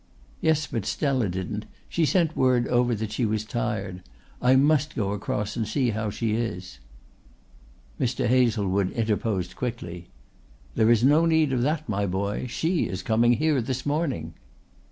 "Yes, but Stella didn't. She sent word over that she was tired. I must go across and see how she is." Mr. Hazlewood interposed quickly: "There is no need of that, my boy; she is coming here this morning."